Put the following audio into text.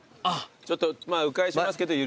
ちょっと迂回しますけど緩やか。